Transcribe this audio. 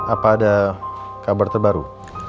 apa ada kabar terbaru